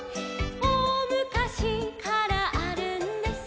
「おおむかしからあるんです」